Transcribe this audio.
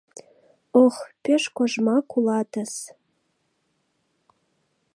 — Ох, пеш кожмак улатыс!